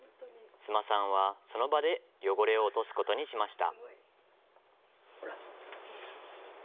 須磨さんはその場で汚れを落とすことにしました。